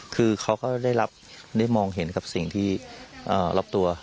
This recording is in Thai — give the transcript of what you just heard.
คือเขาก็ได้มองเห็นกับสิ่งที่รอบตัว